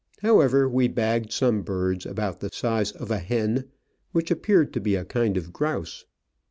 However, we bagged some birds about the size of a hen, which appeared to be a kind of grouse.